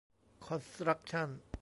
คอนสตรัคชั่น